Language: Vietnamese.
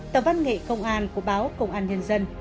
tờ văn nghệ công an của báo công an nhân dân